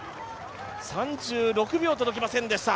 ３６秒届きませんでした。